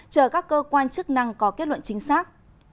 chờ các cơ quan chức năng có kết luận chính xác